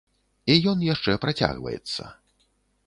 І ён яшчэ працягваецца.